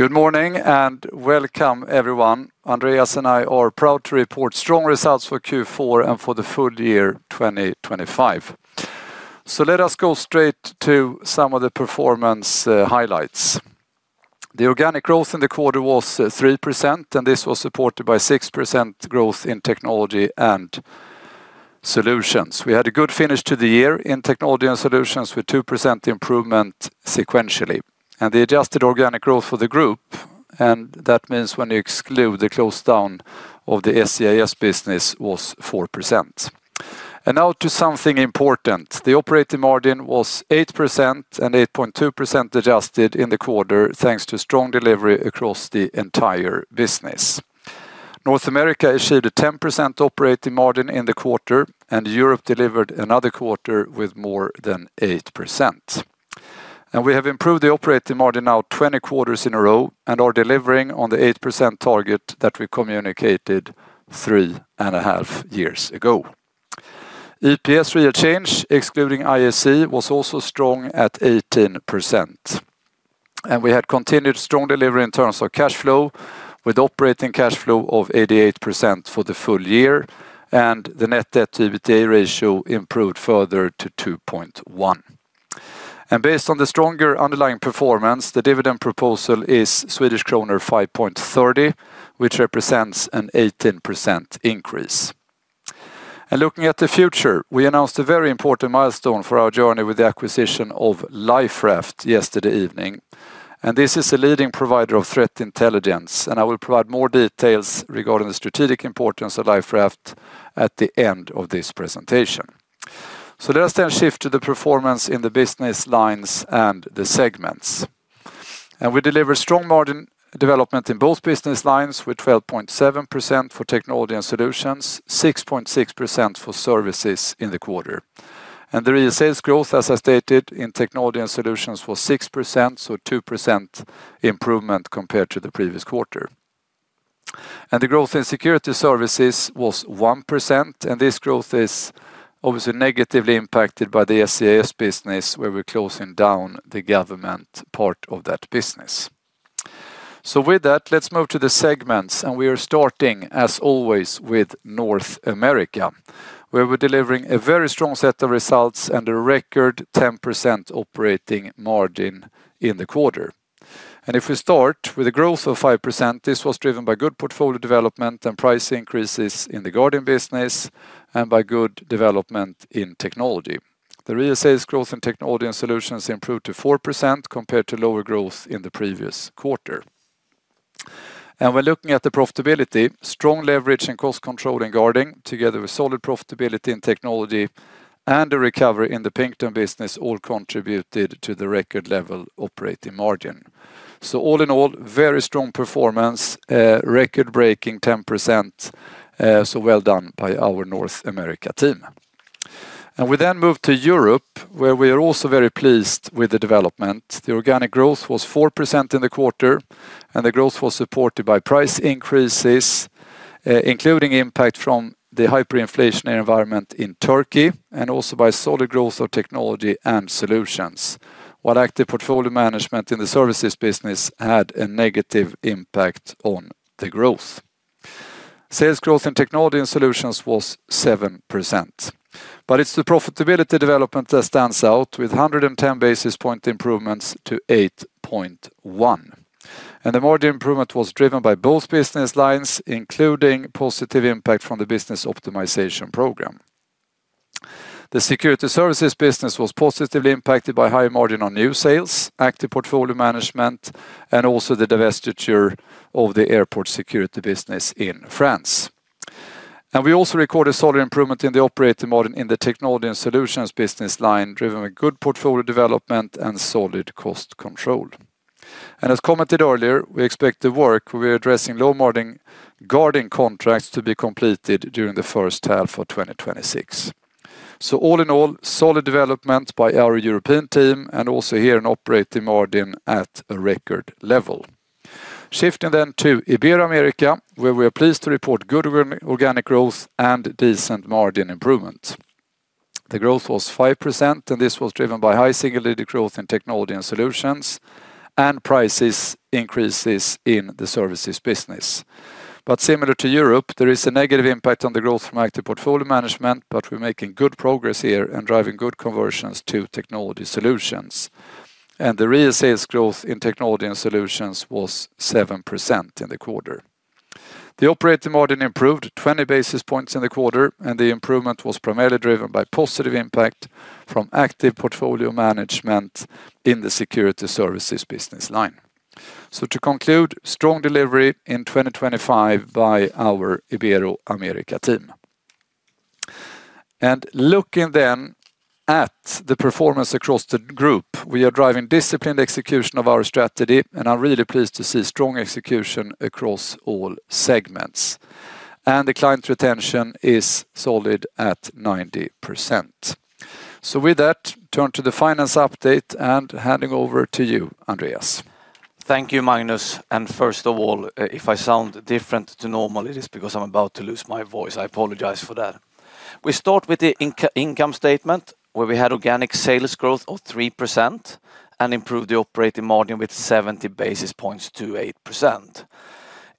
Good morning and welcome, everyone. Andreas and I are proud to report Strong Results for Q4 and for the Full Year 2025. So let us go straight to some of the performance highlights. The organic growth in the quarter was 3%, and this was supported by 6% growth in Technology and Solutions. We had a good finish to the year in Technology and Solutions with 2% improvement sequentially. And the adjusted organic growth for the group, and that means when you exclude the closed down of the SCIS business, was 4%. And now to something important. The operating margin was 8% and 8.2% adjusted in the quarter thanks to strong delivery across the entire business. North America achieved a 10% operating margin in the quarter, and Europe delivered another quarter with more than 8%. We have improved the operating margin now 20 quarters in a row and are delivering on the 8% target that we communicated three and a half years ago. EPS real change, excluding IAC, was also strong at 18%. We had continued strong delivery in terms of cash flow with operating cash flow of 88% for the full year, and the net debt to EBITDA ratio improved further to 2.1x. Based on the stronger underlying performance, the dividend proposal is Swedish kronor 5.30, which represents an 18% increase. Looking at the future, we announced a very important milestone for our journey with the acquisition of Liferaft yesterday evening. This is a leading provider of threat intelligence, and I will provide more details regarding the strategic importance of Liferaft at the end of this presentation. So let us then shift to the performance in the business lines and the segments. And we deliver strong margin development in both business lines with 12.7% for Technology and Solutions, 6.6% for services in the quarter. And the real sales growth, as I stated, in Technology and Solutions was 6%, so 2% improvement compared to the previous quarter. And the growth in Security Services was 1%, and this growth is obviously negatively impacted by the SCIS business where we're closing down the government part of that business. So with that, let's move to the segments, and we are starting, as always, with North America where we're delivering a very strong set of results and a record 10% operating margin in the quarter. If we start with a growth of 5%, this was driven by good portfolio development and price increases in the guarding business and by good development in technology. The real sales growth in Technology and Solutions improved to 4% compared to lower growth in the previous quarter. When looking at the profitability, strong leverage and cost control in guarding together with solid profitability in technology and the recovery in the Pinkerton business all contributed to the record level operating margin. All in all, very strong performance, record-breaking 10%, so well done by our North America team. We then move to Europe where we are also very pleased with the development. The organic growth was 4% in the quarter, and the growth was supported by price increases, including impact from the hyperinflationary environment in Turkey and also by solid growth of Technology and Solutions, while active portfolio management in the services business had a negative impact on the growth. Sales growth in Technology and Solutions was 7%. But it's the profitability development that stands out with 110 basis point improvements to 8.1%. And the margin improvement was driven by both business lines, including positive impact from the business optimization program. The Security Services business was positively impacted by high margin on new sales, active portfolio management, and also the divestiture of the airport security business in France. And we also recorded solid improvement in the operating margin in the Technology and Solutions business line driven with good portfolio development and solid cost control. As commented earlier, we expect the work where we're addressing low margin guarding contracts to be completed during the first half of 2026. So all in all, solid development by our European team and also here in operating margin at a record level. Shifting then to Ibero-America where we are pleased to report good organic growth and decent margin improvement. The growth was 5%, and this was driven by high single-digit growth in Technology and Solutions and price increases in the services business. But similar to Europe, there is a negative impact on the growth from active portfolio management, but we're making good progress here and driving good conversions to technology solutions. And the real sales growth in Technology and Solutions was 7% in the quarter. The operating margin improved 20 basis points in the quarter, and the improvement was primarily driven by positive impact from active portfolio management in the Security Services business line. So to conclude, strong delivery in 2025 by our Ibero-America team. And looking then at the performance across the group, we are driving disciplined execution of our strategy, and I'm really pleased to see strong execution across all segments. And the client retention is solid at 90%. So with that, turn to the finance update and handing over to you, Andreas. Thank you, Magnus. First of all, if I sound different to normal, it is because I'm about to lose my voice. I apologize for that. We start with the income statement where we had organic sales growth of 3% and improved the operating margin with 70 basis points, 28%.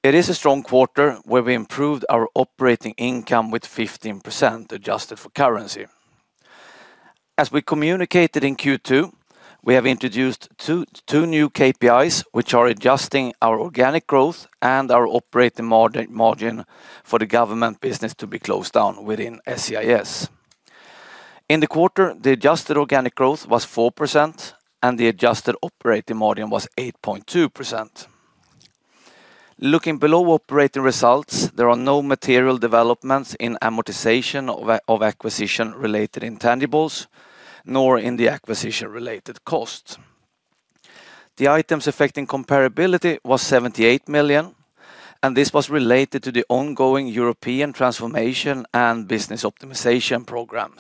It is a strong quarter where we improved our operating income with 15% adjusted for currency. As we communicated in Q2, we have introduced two new KPIs which are adjusting our organic growth and our operating margin for the government business to be closed down within SCIS. In the quarter, the adjusted organic growth was 4% and the adjusted operating margin was 8.2%. Looking below operating results, there are no material developments in amortization of acquisition-related intangibles nor in the acquisition-related costs. The Items Affecting Comparability was 78 million, and this was related to the ongoing European transformation and Business Optimization Program.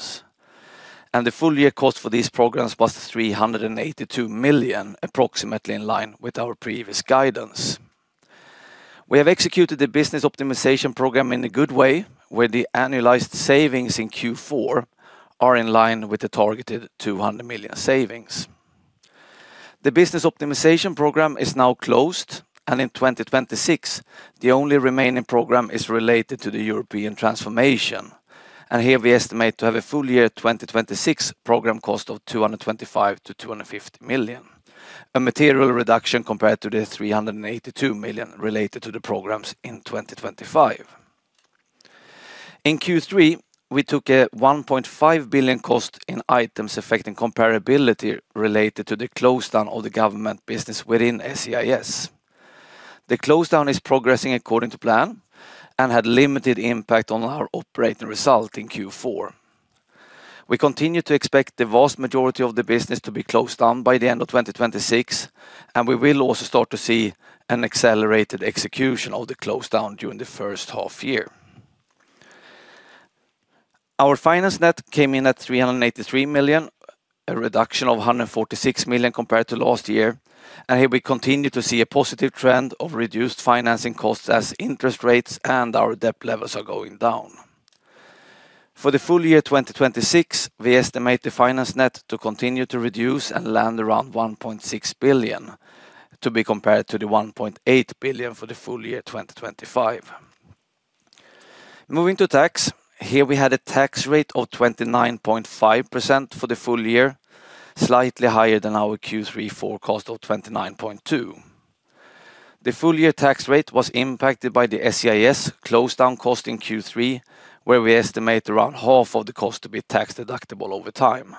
The full year cost for these programs was 382 million, approximately in line with our previous guidance. We have executed the Business Optimization Program in a good way where the annualized savings in Q4 are in line with the targeted 200 million savings. The Business Optimization Program is now closed, and in 2026, the only remaining program is related to the European transformation. Here we estimate to have a full year 2026 program cost of 225 million-250 million, a material reduction compared to the 382 million related to the programs in 2025. In Q3, we took a 1.5 billion cost in Items Affecting Comparability related to the closed down of the government business within SCIS. The closed down is progressing according to plan and had limited impact on our operating result in Q4. We continue to expect the vast majority of the business to be closed down by the end of 2026, and we will also start to see an accelerated execution of the closed down during the first half year. Our finance net came in at 383 million, a reduction of 146 million compared to last year. And here we continue to see a positive trend of reduced financing costs as interest rates and our debt levels are going down. For the full year 2026, we estimate the finance net to continue to reduce and land around 1.6 billion to be compared to the 1.8 billion for the full year 2025. Moving to tax, here we had a tax rate of 29.5% for the full year, slightly higher than our Q3 forecast of 29.2%. The full year tax rate was impacted by the SCIS closed down cost in Q3 where we estimate around half of the cost to be tax deductible over time.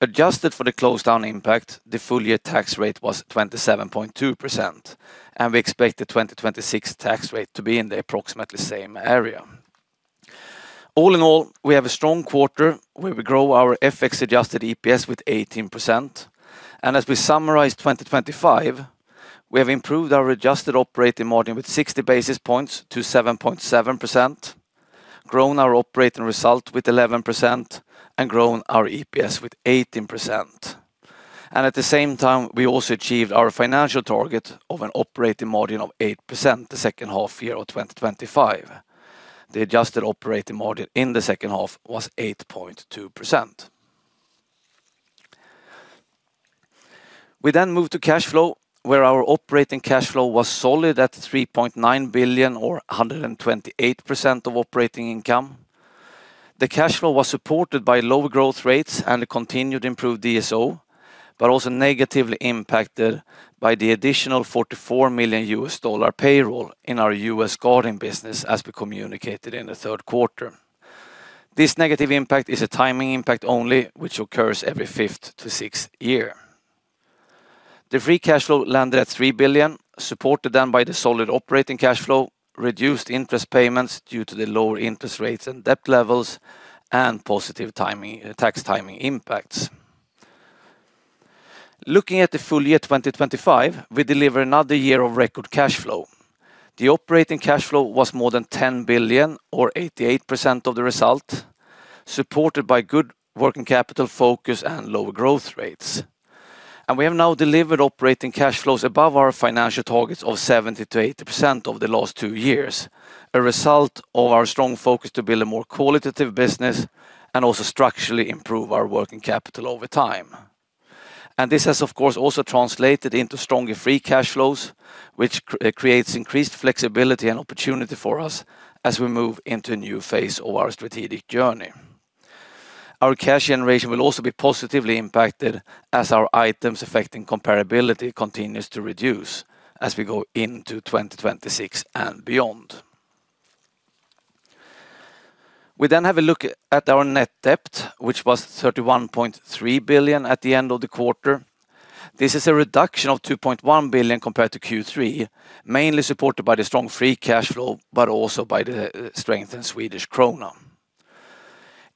Adjusted for the closed down impact, the full year tax rate was 27.2%, and we expect the 2026 tax rate to be in the approximately same area. All in all, we have a strong quarter where we grow our FX adjusted EPS with 18%. As we summarize 2025, we have improved our adjusted operating margin with 60 basis points to 7.7%, grown our operating result with 11%, and grown our EPS with 18%. At the same time, we also achieved our financial target of an operating margin of 8% the second half year of 2025. The adjusted operating margin in the second half was 8.2%. We then move to cash flow where our operating cash flow was solid at 3.9 billion or 128% of operating income. The cash flow was supported by lower growth rates and a continued improved DSO, but also negatively impacted by the additional $44 million payroll in our U.S. guarding business as we communicated in the third quarter. This negative impact is a timing impact only, which occurs every fifth to sixth year. The free cash flow landed at 3 billion, supported then by the solid operating cash flow, reduced interest payments due to the lower interest rates and debt levels, and positive tax timing impacts. Looking at the full year 2025, we deliver another year of record cash flow. The operating cash flow was more than 10 billion or 88% of the result, supported by good working capital focus and lower growth rates. We have now delivered operating cash flows above our financial targets of 70%-80% of the last two years, a result of our strong focus to build a more qualitative business and also structurally improve our working capital over time. This has, of course, also translated into stronger free cash flows, which creates increased flexibility and opportunity for us as we move into a new phase of our strategic journey. Our cash generation will also be positively impacted as our items affecting comparability continues to reduce as we go into 2026 and beyond. We then have a look at our net debt, which was 31.3 billion at the end of the quarter. This is a reduction of 2.1 billion compared to Q3, mainly supported by the strong free cash flow, but also by the strengthened Swedish krona.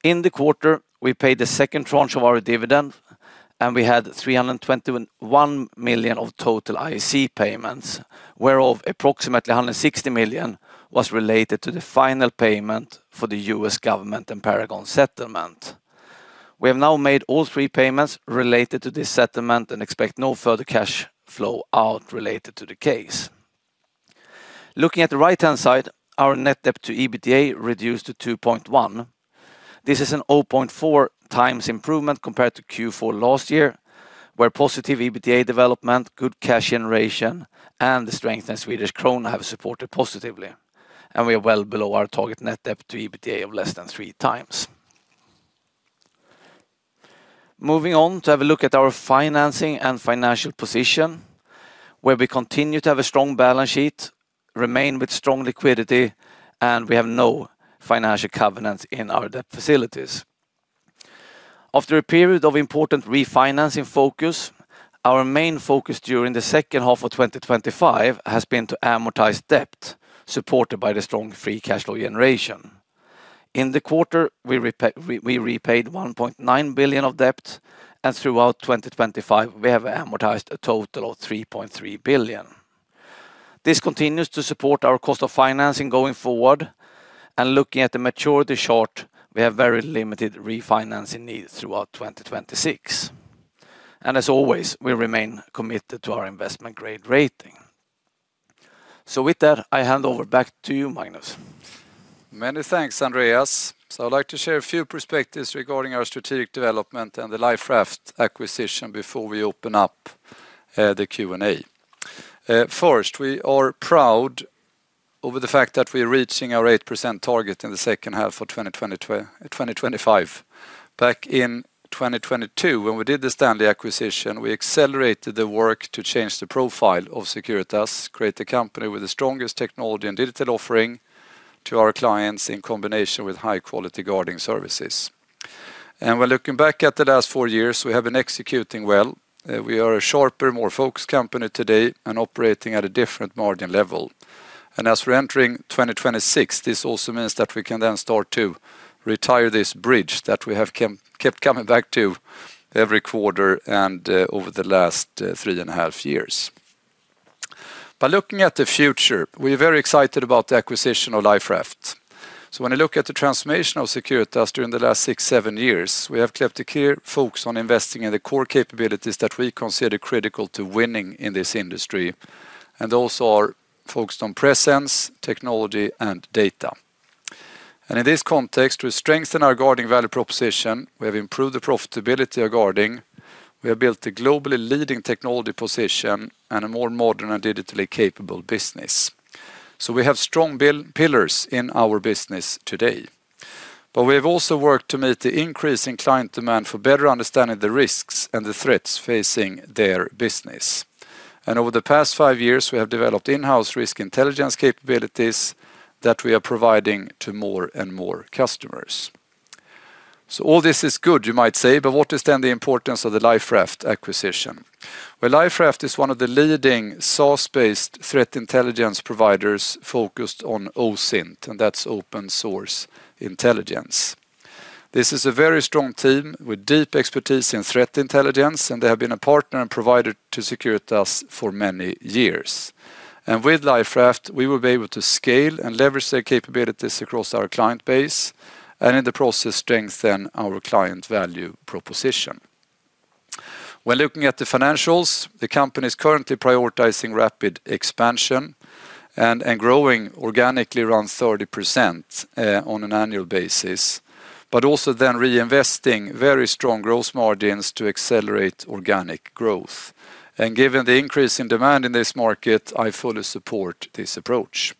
In the quarter, we paid the second tranche of our dividend, and we had 321 million of total IAC payments, whereof approximately 160 million was related to the final payment for the U.S. government and Paragon settlement. We have now made all three payments related to this settlement and expect no further cash flow out related to the case. Looking at the right-hand side, our net debt to EBITDA reduced to 2.1%. This is an 0.4x improvement compared to Q4 last year where positive EBITDA development, good cash generation, and the strengthened Swedish krona have supported positively. We are well below our target net debt to EBITDA of less than three times. Moving on to have a look at our financing and financial position where we continue to have a strong balance sheet, remain with strong liquidity, and we have no financial covenants in our debt facilities. After a period of important refinancing focus, our main focus during the second half of 2025 has been to amortize debt supported by the strong free cash flow generation. In the quarter, we repaid 1.9 billion of debt, and throughout 2025, we have amortized a total of 3.3 billion. This continues to support our cost of financing going forward, and looking at the maturity chart, we have very limited refinancing needs throughout 2026. As always, we remain committed to our investment grade rating. With that, I hand over back to you, Magnus. Many thanks, Andreas. So I'd like to share a few perspectives regarding our strategic development and the Liferaft acquisition before we open up the Q&A. First, we are proud over the fact that we are reaching our 8% target in the second half of 2025. Back in 2022, when we did the Stanley acquisition, we accelerated the work to change the profile of Securitas, create a company with the strongest technology and digital offering to our clients in combination with high-quality guarding services. And when looking back at the last four years, we have been executing well. We are a sharper, more focused company today and operating at a different margin level. And as we're entering 2026, this also means that we can then start to retire this bridge that we have kept coming back to every quarter and over the last three and a half years. But looking at the future, we are very excited about the acquisition of Liferaft. So when I look at the transformation of Securitas during the last six, seven years, we have kept a clear focus on investing in the core capabilities that we consider critical to winning in this industry and also are focused on presence, technology, and data. And in this context, we strengthen our guarding value proposition. We have improved the profitability of guarding. We have built a globally leading technology position and a more modern and digitally capable business. So we have strong pillars in our business today. But we have also worked to meet the increasing client demand for better understanding the risks and the threats facing their business. And over the past five years, we have developed in-house risk intelligence capabilities that we are providing to more and more customers. So all this is good, you might say, but what is then the importance of the Liferaft acquisition? Well, Liferaft is one of the leading SaaS-based threat intelligence providers focused on OSINT, and that's open source intelligence. This is a very strong team with deep expertise in threat intelligence, and they have been a partner and provider to Securitas for many years. And with Liferaft, we will be able to scale and leverage their capabilities across our client base and in the process strengthen our client value proposition. When looking at the financials, the company is currently prioritizing rapid expansion and growing organically around 30% on an annual basis, but also then reinvesting very strong growth margins to accelerate organic growth. And given the increase in demand in this market, I fully support this approach.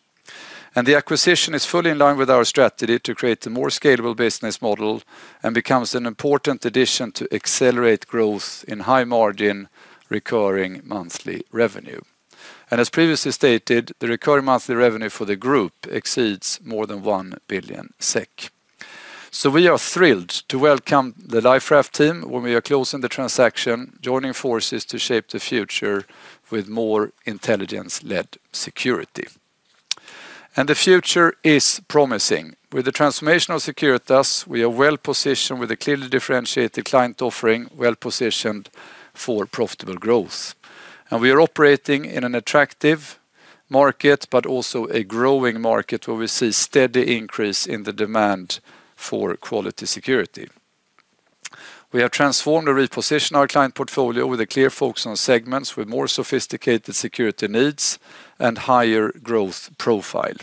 And the acquisition is fully in line with our strategy to create a more scalable business model and becomes an important addition to accelerate growth in high-margin, recurring monthly revenue. And as previously stated, the recurring monthly revenue for the group exceeds more than 1 billion SEK. So we are thrilled to welcome the Liferaft team when we are closing the transaction, joining forces to shape the future with more intelligence-led security. And the future is promising. With the transformation of Securitas, we are well positioned with a clearly differentiated client offering, well positioned for profitable growth. And we are operating in an attractive market, but also a growing market where we see steady increase in the demand for quality security. We have transformed to reposition our client portfolio with a clear focus on segments with more sophisticated security needs and higher growth profile.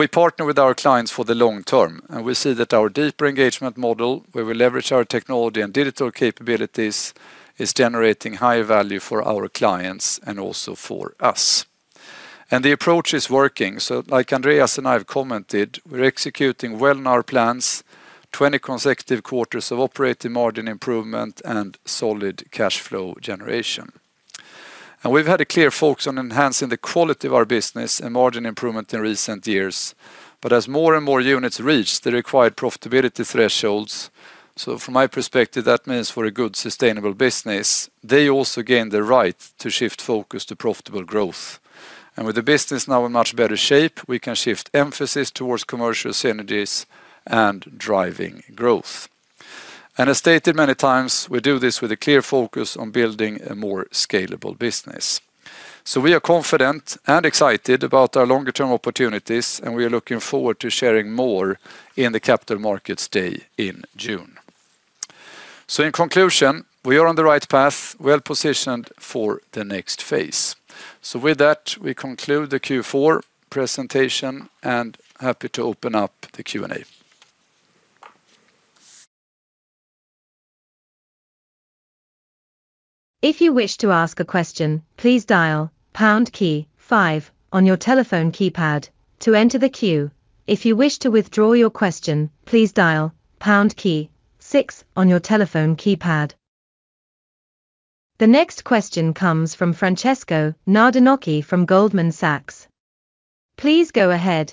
We partner with our clients for the long term. We see that our deeper engagement model where we leverage our technology and digital capabilities is generating higher value for our clients and also for us. The approach is working. So like Andreas and I have commented, we're executing well in our plans, 20 consecutive quarters of operating margin improvement and solid cash flow generation. We've had a clear focus on enhancing the quality of our business and margin improvement in recent years. But as more and more units reach the required profitability thresholds, so from my perspective, that means for a good sustainable business, they also gain the right to shift focus to profitable growth. With the business now in much better shape, we can shift emphasis towards commercial synergies and driving growth. As stated many times, we do this with a clear focus on building a more scalable business. We are confident and excited about our longer-term opportunities, and we are looking forward to sharing more in the Capital Markets Day in June. In conclusion, we are on the right path, well positioned for the next phase. With that, we conclude the Q4 presentation and happy to open up the Q&A. If you wish to ask a question, please dial pound key 5 on your telephone keypad to enter the queue. If you wish to withdraw your question, please dial pound key 6 on your telephone keypad. The next question comes from Francesco Nardinocchi from Goldman Sachs. Please go ahead.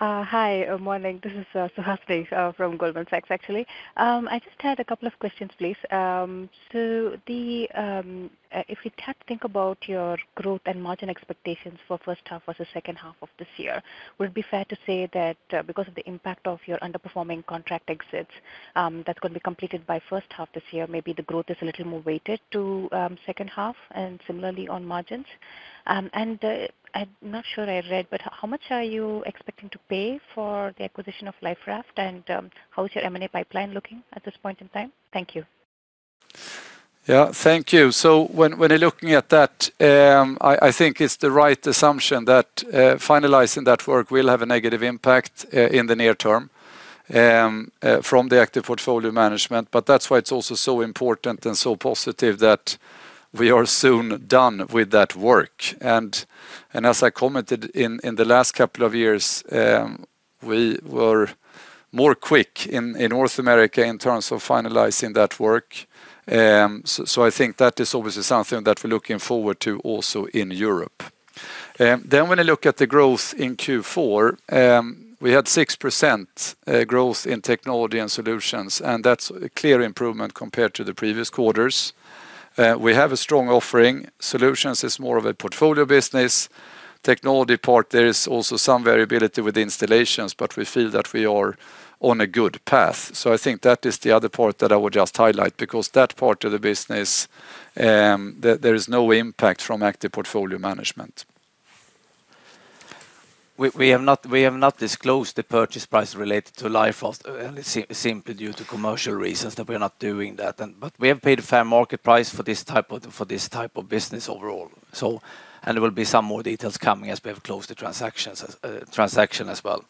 Hi, good morning. This is Suhasini from Goldman Sachs, actually. I just had a couple of questions, please. So if we think about your growth and margin expectations for first half versus second half of this year, would it be fair to say that because of the impact of your underperforming contract exits that's going to be completed by first half this year, maybe the growth is a little more weighted to second half and similarly on margins? I'm not sure I read, but how much are you expecting to pay for the acquisition of Liferaft, and how is your M&A pipeline looking at this point in time? Thank you. Yeah, thank you. So when you're looking at that, I think it's the right assumption that finalizing that work will have a negative impact in the near term from the active portfolio management. But that's why it's also so important and so positive that we are soon done with that work. And as I commented in the last couple of years, we were more quick in North America in terms of finalizing that work. So I think that is obviously something that we're looking forward to also in Europe. Then when you look at the growth in Q4, we had 6% growth in Technology and Solutions, and that's a clear improvement compared to the previous quarters. We have a strong offering. Solutions is more of a portfolio business. Technology part, there is also some variability with installations, but we feel that we are on a good path. I think that is the other part that I would just highlight because that part of the business, there is no impact from active portfolio management. We have not disclosed the purchase price related to Liferaft simply due to commercial reasons that we are not doing that. But we have paid a fair market price for this type of business overall. And there will be some more details coming as we have closed the transaction as well.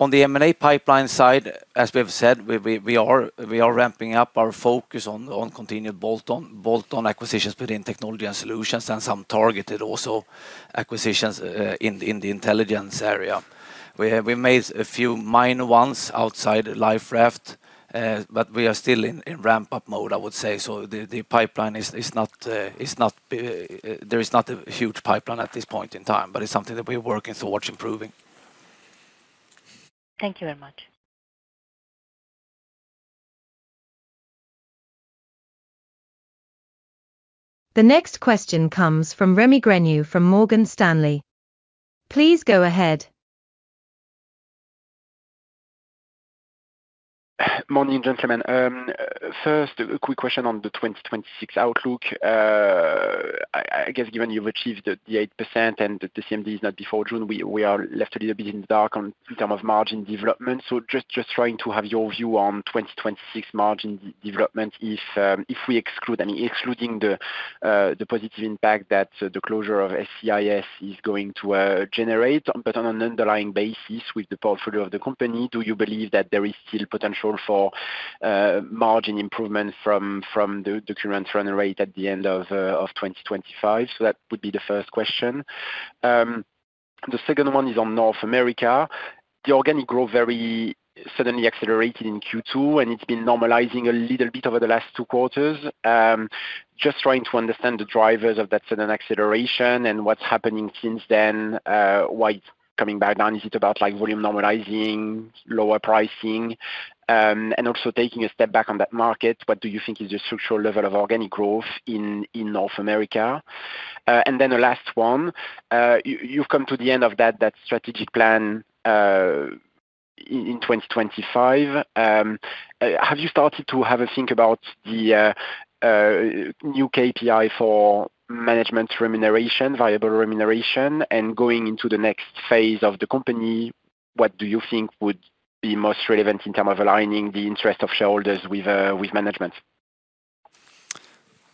On the M&A pipeline side, as we have said, we are ramping up our focus on continued bolt-on acquisitions within Technology and Solutions and some targeted also acquisitions in the intelligence area. We made a few minor ones outside Liferaft, but we are still in ramp-up mode, I would say. So the pipeline is not there, there is not a huge pipeline at this point in time, but it's something that we are working towards improving. Thank you very much. The next question comes from Rémi Grenu from Morgan Stanley. Please go ahead. Morning gentlemen. First, a quick question on the 2026 outlook. I guess given you've achieved the 8% and the CMD is not before June, we are left a little bit in the dark in terms of margin development. So just trying to have your view on 2026 margin development if we exclude I mean, excluding the positive impact that the closure of SCIS is going to generate, but on an underlying basis with the portfolio of the company, do you believe that there is still potential for margin improvement from the current run rate at the end of 2025? So that would be the first question. The second one is on North America. The organic growth very suddenly accelerated in Q2, and it's been normalizing a little bit over the last two quarters. Just trying to understand the drivers of that sudden acceleration and what's happening since then. Why it's coming back down? Is it about volume normalizing, lower pricing, and also taking a step back on that market? What do you think is the structural level of organic growth in North America? And then the last one. You've come to the end of that strategic plan in 2025. Have you started to have a think about the new KPI for management remuneration, variable remuneration, and going into the next phase of the company? What do you think would be most relevant in terms of aligning the interest of shareholders with management?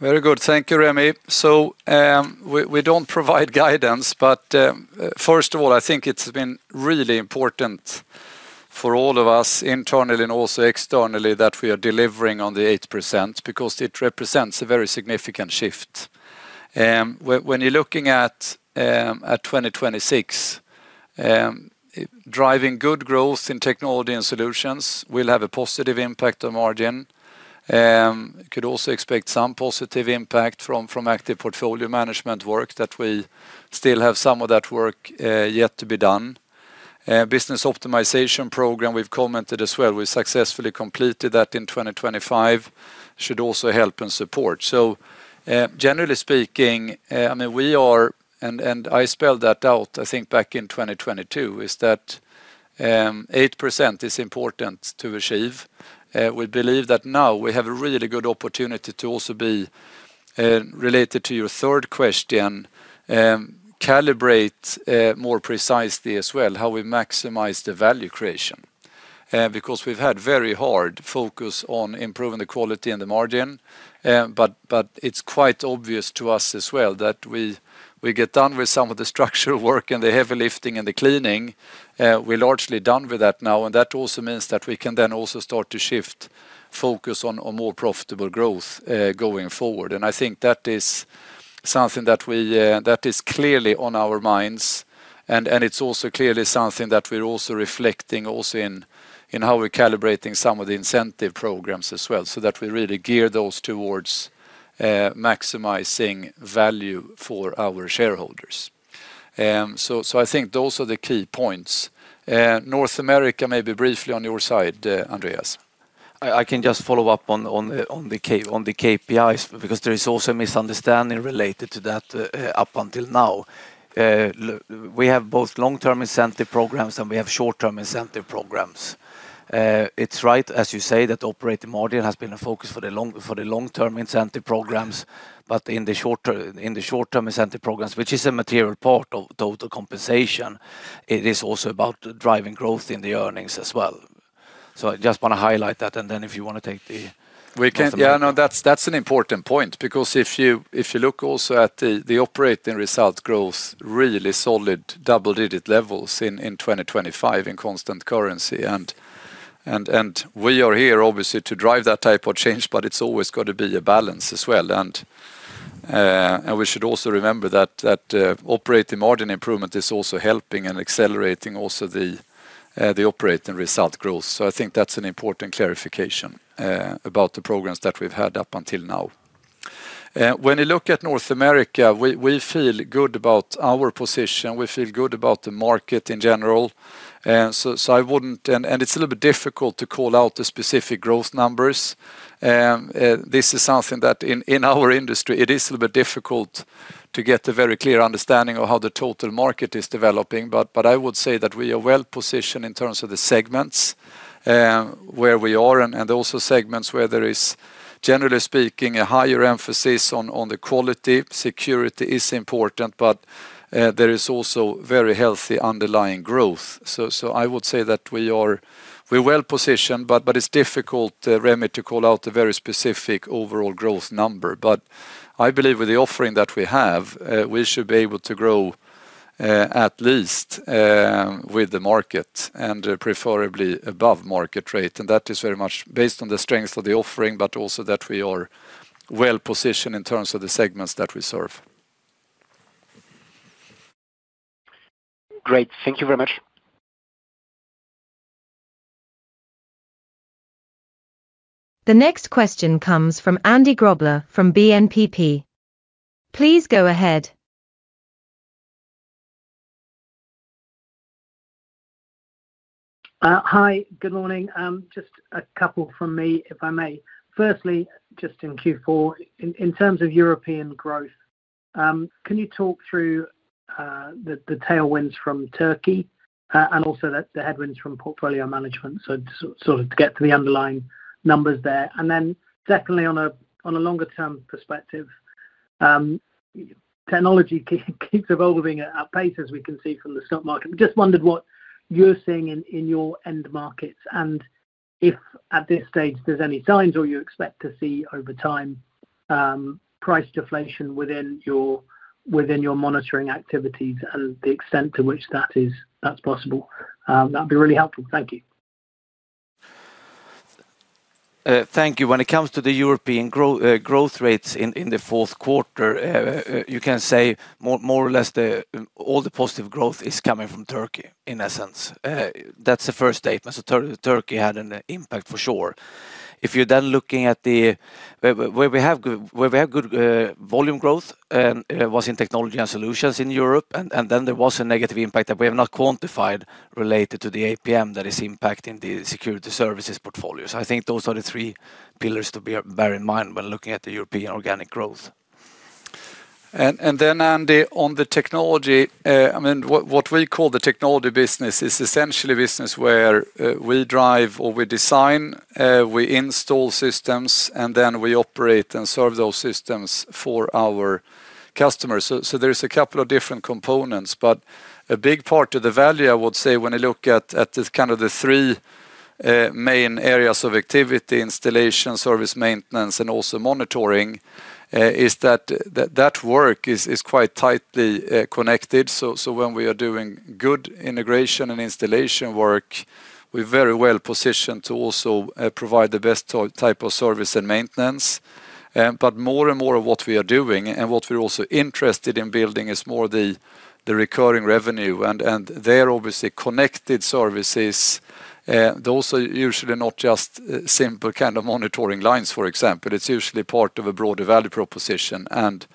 Very good. Thank you, Rémi. So we don't provide guidance, but first of all, I think it's been really important for all of us internally and also externally that we are delivering on the 8% because it represents a very significant shift. When you're looking at 2026, driving good growth in Technology and Solutions will have a positive impact on margin. You could also expect some positive impact from active portfolio management work that we still have some of that work yet to be done. Business optimization program, we've commented as well. We've successfully completed that in 2025. It should also help and support. So generally speaking, I mean, we are and I spelled that out, I think, back in 2022, is that 8% is important to achieve. We believe that now we have a really good opportunity to also be related to your third question, calibrate more precisely as well, how we maximize the value creation. Because we've had very hard focus on improving the quality and the margin, but it's quite obvious to us as well that we get done with some of the structural work and the heavy lifting and the cleaning. We're largely done with that now, and that also means that we can then also start to shift focus on more profitable growth going forward. And I think that is something that we that is clearly on our minds, and it's also clearly something that we're also reflecting also in how we're calibrating some of the incentive programs as well so that we really gear those towards maximizing value for our shareholders. So I think those are the key points. North America, maybe briefly on your side, Andreas. I can just follow up on the KPIs because there is also a misunderstanding related to that up until now. We have both long-term incentive programs and we have short-term incentive programs. It's right, as you say, that operating margin has been a focus for the long-term incentive programs, but in the short-term incentive programs, which is a material part of total compensation, it is also about driving growth in the earnings as well. So I just want to highlight that, and then if you want to take the. Yeah, no, that's an important point because if you look also at the operating result growth, really solid double-digit levels in 2025 in constant currency. We are here obviously to drive that type of change, but it's always got to be a balance as well. We should also remember that operating margin improvement is also helping and accelerating also the operating result growth. I think that's an important clarification about the programs that we've had up until now. When you look at North America, we feel good about our position. We feel good about the market in general. I wouldn't and it's a little bit difficult to call out the specific growth numbers. This is something that in our industry, it is a little bit difficult to get a very clear understanding of how the total market is developing, but I would say that we are well positioned in terms of the segments where we are and also segments where there is, generally speaking, a higher emphasis on the quality. Security is important, but there is also very healthy underlying growth. So I would say that we are well positioned, but it's difficult, Rémi, to call out a very specific overall growth number. But I believe with the offering that we have, we should be able to grow at least with the market and preferably above market rate. And that is very much based on the strength of the offering, but also that we are well positioned in terms of the segments that we serve. Great. Thank you very much. The next question comes from Andrew Grobler from BNPP. Please go ahead. Hi, good morning. Just a couple from me, if I may. Firstly, just in Q4, in terms of European growth, can you talk through the tailwinds from Turkey and also the headwinds from portfolio management? So sort of to get to the underlying numbers there. And then definitely on a longer-term perspective, technology keeps evolving at pace, as we can see from the stock market. Just wondered what you're seeing in your end markets and if at this stage there's any signs or you expect to see over time price deflation within your monitoring activities and the extent to which that's possible. That'd be really helpful. Thank you. Thank you. When it comes to the European growth rates in the fourth quarter, you can say more or less all the positive growth is coming from Turkey, in essence. That's the first statement. So Turkey had an impact for sure. If you're then looking at the where we have good volume growth was in Technology and Solutions in Europe, and then there was a negative impact that we have not quantified related to the APM that is impacting the Security Services portfolios. I think those are the three pillars to bear in mind when looking at the European organic growth. And then, Andy, on the technology, I mean, what we call the technology business is essentially a business where we drive or we design, we install systems, and then we operate and serve those systems for our customers. So there's a couple of different components, but a big part of the value, I would say, when you look at kind of the three main areas of activity, installation, service maintenance, and also monitoring, is that that work is quite tightly connected. So when we are doing good integration and installation work, we're very well positioned to also provide the best type of service and maintenance. But more and more of what we are doing and what we're also interested in building is more the recurring revenue. And they're obviously connected services. Those are usually not just simple kind of monitoring lines, for example. It's usually part of a broader value proposition. And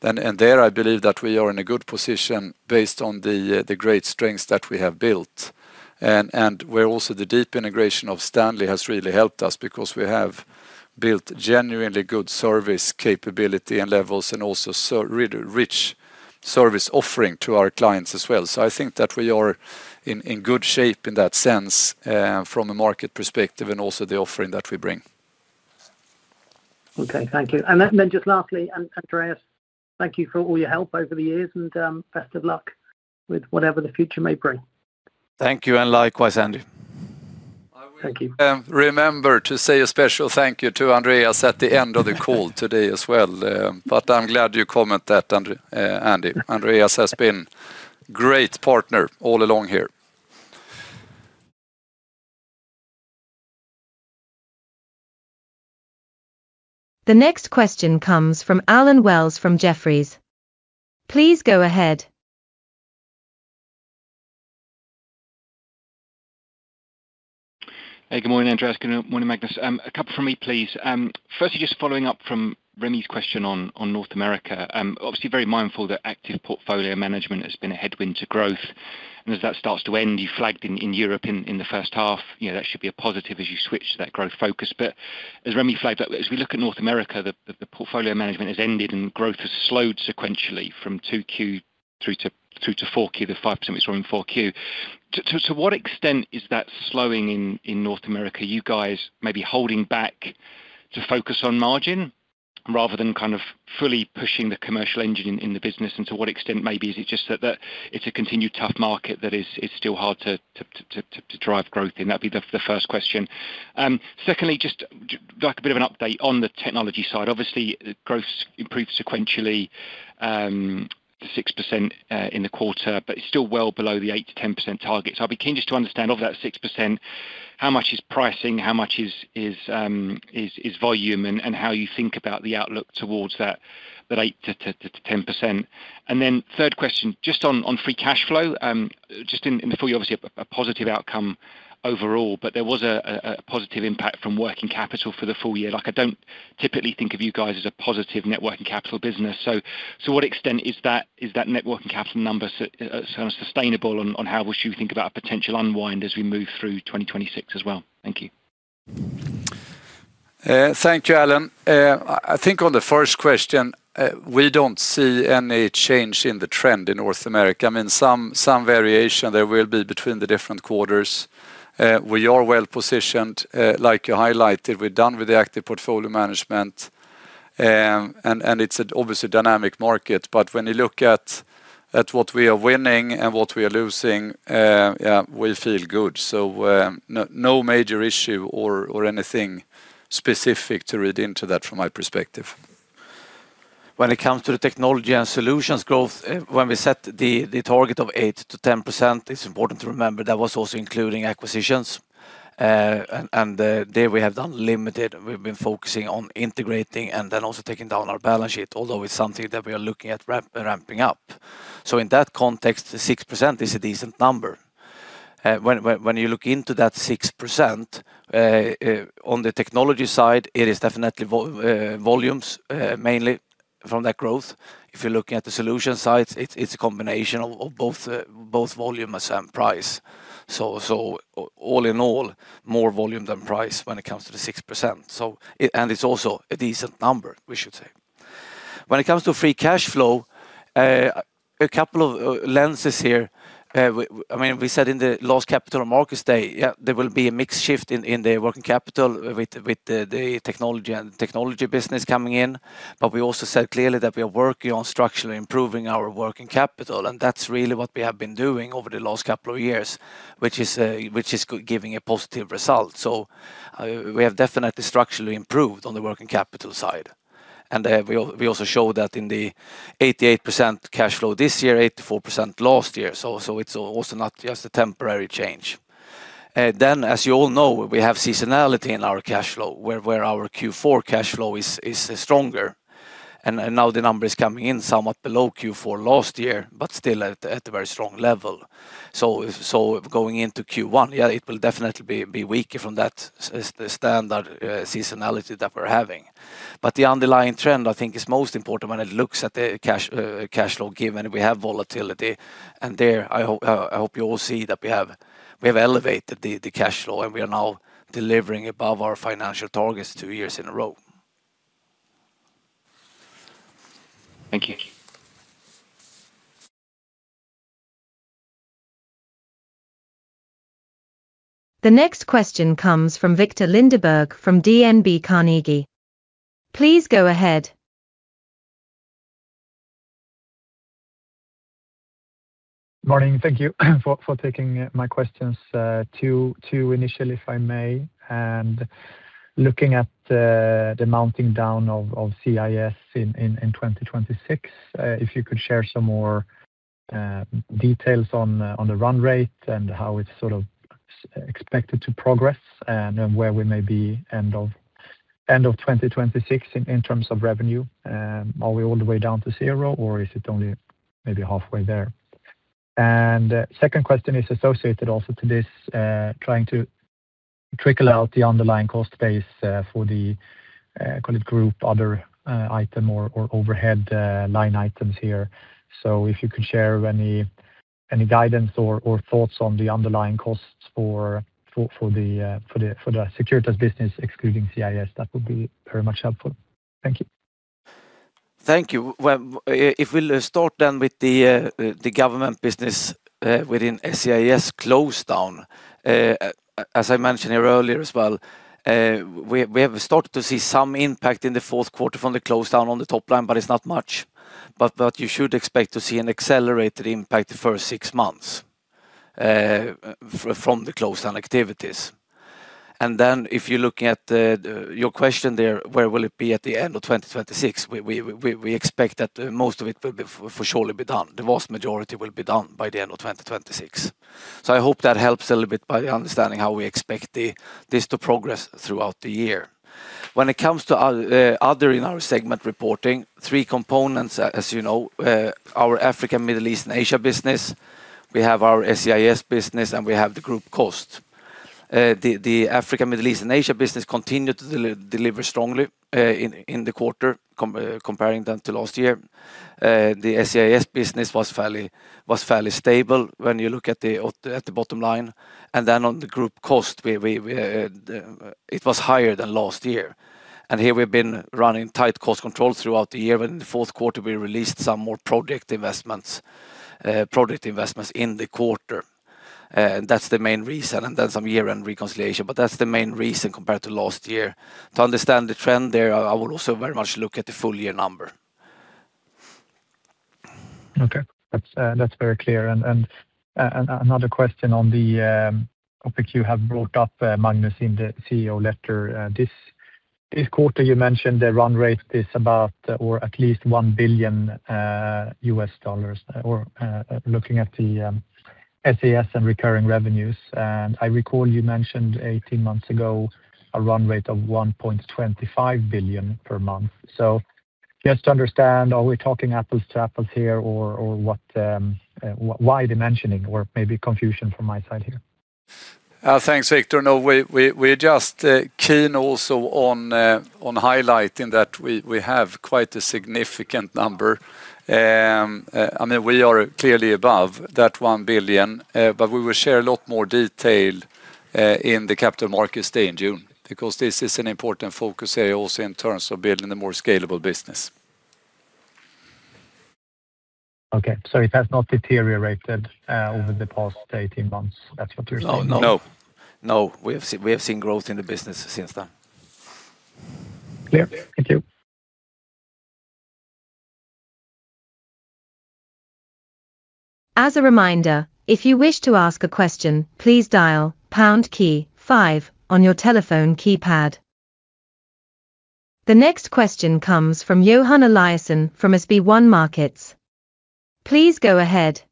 there I believe that we are in a good position based on the great strengths that we have built. And where also the deep integration of Stanley has really helped us because we have built genuinely good service capability and levels and also rich service offering to our clients as well. So I think that we are in good shape in that sense from a market perspective and also the offering that we bring. Okay. Thank you. And then just lastly, Andreas, thank you for all your help over the years and best of luck with whatever the future may bring. Thank you. And likewise, Andy. Thank you. Remember to say a special thank you to Andreas at the end of the call today as well. But I'm glad you commented that, Andy. Andreas has been a great partner all along here. The next question comes from Allen Wells from Jefferies. Please go ahead. Hey, good morning, Andreas. Good morning, Magnus. A couple from me, please. Firstly, just following up from Rémi's question on North America. Obviously, very mindful that active portfolio management has been a headwind to growth. And as that starts to end, you flagged in Europe in the first half, that should be a positive as you switch to that growth focus. But as Rémy flagged, as we look at North America, the portfolio management has ended and growth has slowed sequentially from 2Q through to 4Q, the 5% we saw in 4Q. To what extent is that slowing in North America? You guys maybe holding back to focus on margin rather than kind of fully pushing the commercial engine in the business? And to what extent maybe is it just that it's a continued tough market that it's still hard to drive growth in? That'd be the first question. Secondly, just like a bit of an update on the technology side. Obviously, growth improved sequentially the 6% in the quarter, but it's still well below the 8%-10% target. So I'd be keen just to understand of that 6%, how much is pricing, how much is volume, and how you think about the outlook towards that 8%-10%. And then third question, just on free cash flow, just in the full year, obviously a positive outcome overall, but there was a positive impact from working capital for the full year. I don't typically think of you guys as a positive net working capital business. So what extent is that net working capital number kind of sustainable? And how would you think about a potential unwind as we move through 2026 as well? Thank you. Thank you, Allen. I think on the first question, we don't see any change in the trend in North America. I mean, some variation there will be between the different quarters. We are well positioned, like you highlighted. We're done with the active portfolio management. And it's obviously a dynamic market. But when you look at what we are winning and what we are losing, yeah, we feel good. So no major issue or anything specific to read into that from my perspective. When it comes to the Technology and Solutions growth, when we set the target of 8%-10%, it's important to remember that was also including acquisitions. And there we have done limited. We've been focusing on integrating and then also taking down our balance sheet, although it's something that we are looking at ramping up. So in that context, the 6% is a decent number. When you look into that 6%, on the technology side, it is definitely volumes mainly from that growth. If you're looking at the solution side, it's a combination of both volume and price. So all in all, more volume than price when it comes to the 6%. And it's also a decent number, we should say. When it comes to free cash flow, a couple of lenses here. I mean, we said in the last capital markets day, yeah, there will be a mixed shift in the working capital with the technology and technology business coming in. But we also said clearly that we are working on structurally improving our working capital. And that's really what we have been doing over the last couple of years, which is giving a positive result. So we have definitely structurally improved on the working capital side. And we also showed that in the 88% cash flow this year, 84% last year. So it's also not just a temporary change. Then, as you all know, we have seasonality in our cash flow where our Q4 cash flow is stronger. And now the number is coming in somewhat below Q4 last year, but still at a very strong level. So going into Q1, yeah, it will definitely be weaker from that standard seasonality that we're having. But the underlying trend, I think, is most important when it looks at the cash flow given we have volatility. And there I hope you all see that we have elevated the cash flow and we are now delivering above our financial targets two years in a row. Thank you. The next question comes from Viktor Lindeberg from DNB Carnegie. Please go ahead. Good morning. Thank you for taking my question, too, initially, if I may, and looking at the winding down of SCIS in 2026. If you could share some more details on the run rate and how it's sort of expected to progress and where we may be end of 2026 in terms of revenue. Are we all the way down to zero or is it only maybe halfway there? And the second question is associated also to this, trying to tease out the underlying cost base for the, call it group, other item or overhead line items here. So if you could share any guidance or thoughts on the underlying costs for the Securitas business excluding SCIS, that would be very much helpful. Thank you. Thank you. If we'll start then with the government business within SCIS closed down, as I mentioned here earlier as well, we have started to see some impact in the fourth quarter from the closed down on the top line, but it's not much. You should expect to see an accelerated impact the first six months from the closed down activities. Then if you're looking at your question there, where will it be at the end of 2026? We expect that most of it will for sure be done. The vast majority will be done by the end of 2026. I hope that helps a little bit by understanding how we expect this to progress throughout the year. When it comes to other in our segment reporting, three components, as you know, our African, Middle East, and Asia business, we have our SCIS business, and we have the group cost. The African, Middle East, and Asia business continue to deliver strongly in the quarter, comparing them to last year. The SCIS business was fairly stable when you look at the bottom line. And then on the group cost, it was higher than last year. And here we've been running tight cost control throughout the year when in the fourth quarter we released some more project investments in the quarter. That's the main reason. And then some year-end reconciliation. But that's the main reason compared to last year. To understand the trend there, I would also very much look at the full year number. Okay. That's very clear. Another question on the topic you have brought up, Magnus, in the CEO letter. This quarter you mentioned the run rate is about or at least $1 billion or looking at the SaaS and recurring revenues. I recall you mentioned 18 months ago a run rate of $1.25 billion per month. So just to understand, are we talking apples to apples here or why the mentioning or maybe confusion from my side here? Thanks, Viktor. No, we're just keen also on highlighting that we have quite a significant number. I mean, we are clearly above that $1 billion, but we will share a lot more detail in the Capital Markets Day in June because this is an important focus area also in terms of building the more scalable business. Okay. So it has not deteriorated over the past 18 months. That's what you're saying? No, no. No, we have seen growth in the business since then. Clear. Thank you. As a reminder, if you wish to ask a question, please dial pound key 5 on your telephone keypad. The next question comes from Johan Eliason from SB1 Markets. Please go ahead.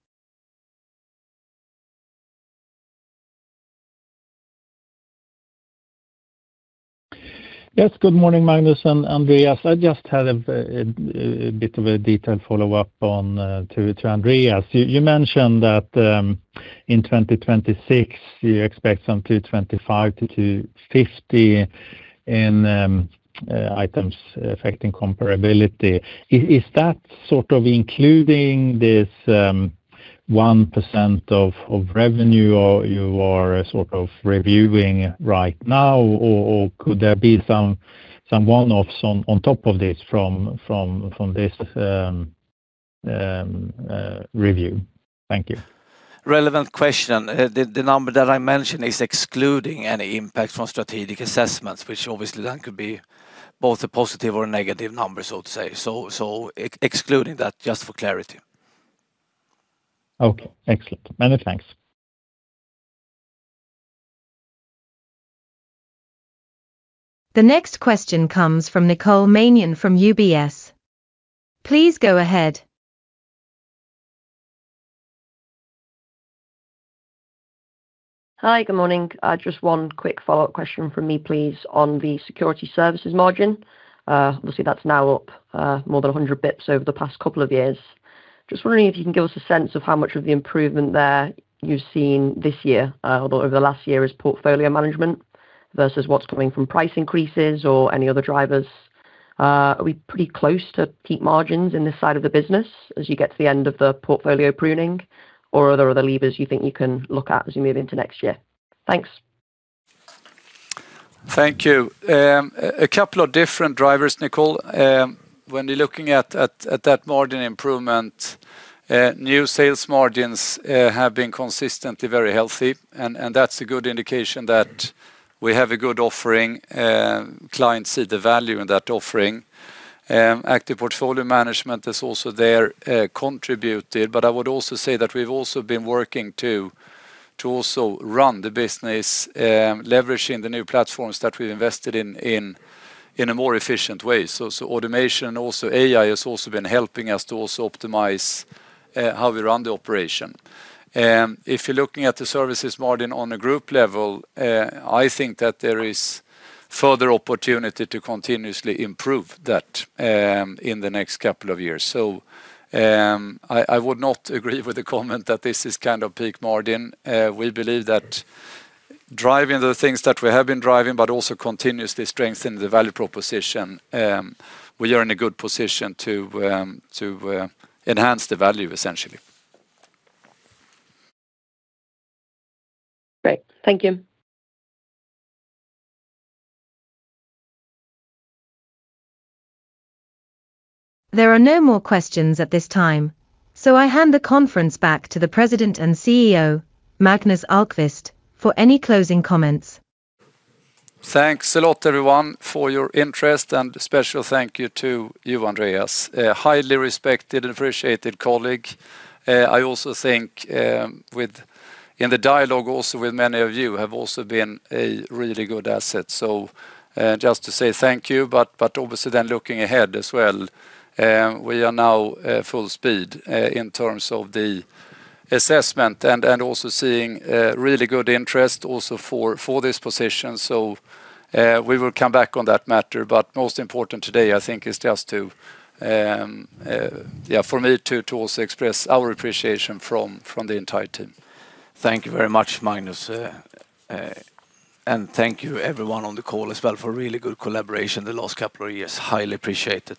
Yes, good morning, Magnus and Andreas. I just had a bit of a detailed follow-up to Andreas. You mentioned that in 2026 you expect some 225 million-250 million in Items Affecting Comparability. Is that sort of including this 1% of revenue you are sort of reviewing right now or could there be some one-offs on top of this from this review? Thank you. Relevant question. The number that I mentioned is excluding any impact from strategic assessments, which obviously then could be both a positive or a negative number, so to say. Excluding that just for clarity. Okay. Excellent. Many thanks. The next question comes from Nicole Manion from UBS. Please go ahead. Hi, good morning. Just one quick follow-up question from me, please, on the Security Services margin. Obviously, that's now up more than 100 basis points over the past couple of years. Just wondering if you can give us a sense of how much of the improvement there you've seen this year, although over the last year is portfolio management versus what's coming from price increases or any other drivers. Are we pretty close to peak margins in this side of the business as you get to the end of the portfolio pruning or are there other levers you think you can look at as you move into next year? Thanks. Thank you. A couple of different drivers, Nicole. When you're looking at that margin improvement, new sales margins have been consistently very healthy. And that's a good indication that we have a good offering. Clients see the value in that offering. Active portfolio management has also there contributed. But I would also say that we've also been working to also run the business leveraging the new platforms that we've invested in in a more efficient way. So automation and also AI has also been helping us to also optimize how we run the operation. If you're looking at the services margin on a group level, I think that there is further opportunity to continuously improve that in the next couple of years. So I would not agree with the comment that this is kind of peak margin. We believe that driving the things that we have been driving but also continuously strengthening the value proposition, we are in a good position to enhance the value, essentially. Great. Thank you. There are no more questions at this time. So I hand the conference back to the President and CEO, Magnus Ahlqvist, for any closing comments. Thanks a lot, everyone, for your interest. Special thank you to you, Andreas. Highly respected and appreciated colleague. I also think in the dialogue also with many of you have also been a really good asset. Just to say thank you. But obviously then looking ahead as well, we are now full speed in terms of the assessment and also seeing really good interest also for this position. We will come back on that matter. Most important today, I think, is just to, yeah, for me to also express our appreciation from the entire team. Thank you very much, Magnus. Thank you, everyone on the call as well, for really good collaboration the last couple of years. Highly appreciated.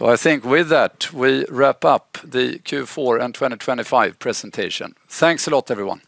I think with that, we wrap up the Q4 and 2025 presentation. Thanks a lot, everyone.